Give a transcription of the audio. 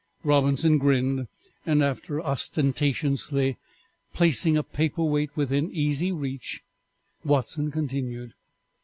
Robinson grinned, and after ostentatiously placing a paper weight within easy reach, Watson continued.